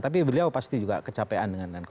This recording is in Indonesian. tapi beliau pasti juga kecapean dengan